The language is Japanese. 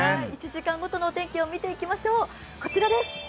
１時間ごとのお天気を見てみましょう。